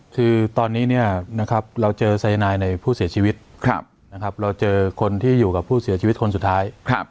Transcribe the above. คือตอนนี้เราเจอสายนายในผู้เสียชีวิตเราเจอคนที่อยู่กับผู้เสียชีวิตคนสุดท้าย